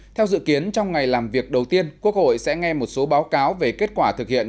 theo dự kiến trong ngày làm việc đầu tiên quốc hội sẽ nghe một số báo cáo về kết quả thực hiện